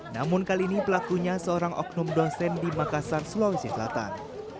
namun kali ini pelakunya seorang oknum dosen di makassar sulawesi selatan